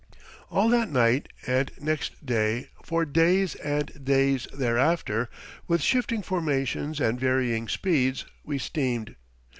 All that night, and next day, for days and days thereafter, with shifting formations and varying speeds, we steamed.